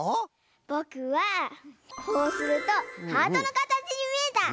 ぼくはこうするとハートのかたちにみえた！